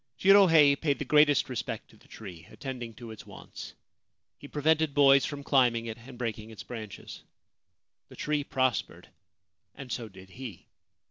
Jirohei paid the greatest respect to the tree, attending to its wants. He prevented boys from climbing it and breaking its branches. The tree prospered, and so did he.